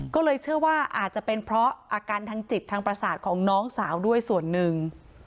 ก็เลยเชื่อว่าอาจจะเป็นเพราะอาการทางจิตทางประสาทของน้องสาวด้วยส่วนหนึ่ง